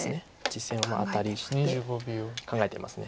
実戦はアタリして考えています。